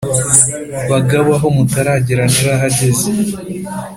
Bagabo aho mutaragera narahageze